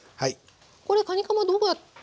これかにかまどうやって下準備は。